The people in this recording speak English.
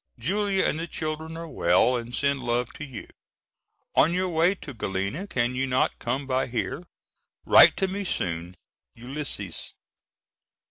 Julia and the children are well and send love to you. On your way to Galena can you not come by here? Write to me soon. ULYSSES.